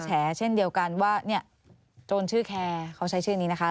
แฉเช่นเดียวกันว่าเนี่ยโจรชื่อแคร์เขาใช้ชื่อนี้นะคะ